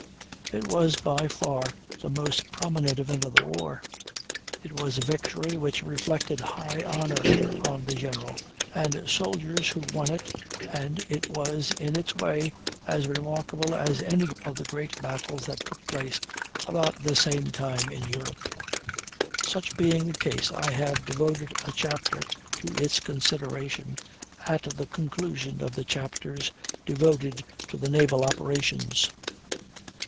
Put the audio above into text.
It was by far the most prominent event of the war; it was a victory which reflected high honor on the general and soldiers who won it, and it was in its way as remarkable as any of the great battles that took place about the same time in Europe. Such being the case, I have devoted a chapter to its consideration at the conclusion of the chapters devoted to the naval operations.